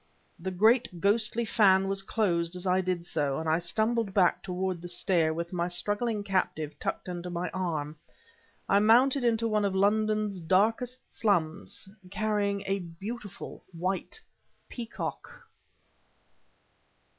The great, ghostly fan was closed as I did so, and I stumbled back toward the stair with my struggling captive tucked under my arm; I mounted into one of London's darkest slums, carrying a beautiful white peacock!